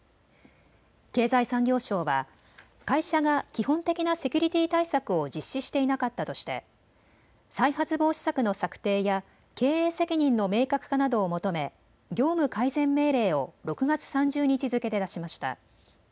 経済産業省は会社が基本的なセキュリティー対策を実施していなかったとして再発防止策の策定や経営責任の明確化などを求め業務改善命令を６月３０日付けで出しました。